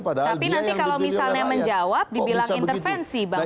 tapi nanti kalau misalnya menjawab dibilang intervensi bang